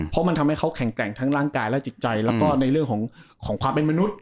เพราะมันทำให้เขาแข็งแกร่งทั้งร่างกายและจิตใจแล้วก็ในเรื่องของความเป็นมนุษย